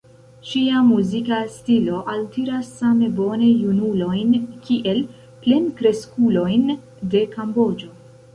Ŝia muzika stilo altiras same bone junulojn kiel plenkreskulojn de Kamboĝo.